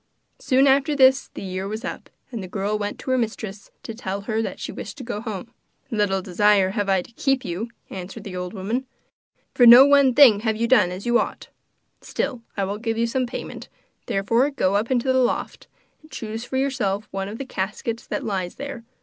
Soon after this the year was up, and the girl went to her mistress to tell her that she wished to go home. 'Little desire have I to keep you,' answered the old woman, 'for no one thing have you done as you ought. Still, I will give you some payment, therefore go up into the loft, and choose for yourself one of the caskets that lies there.